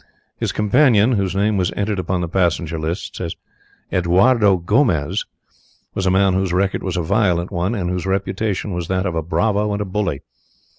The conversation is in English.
His companion, whose name was entered upon the passenger lists as Eduardo Gomez, was a man whose record was a violent one, and whose reputation was that of a bravo and a bully.